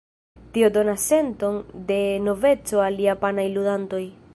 Tio donas senton de noveco al japanaj ludantoj.